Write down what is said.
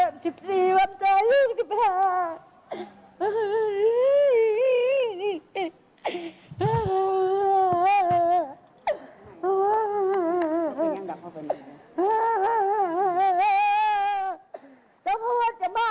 ก็ไม่มีเป็นไรเบิกกว่าคนสองบอสแล้วว่านี้เบิกก็จะดำ